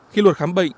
khi luật khám bệnh